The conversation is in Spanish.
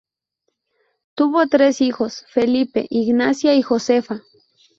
Tuvo tres hijos: Felipe, Ignacia y Josefa.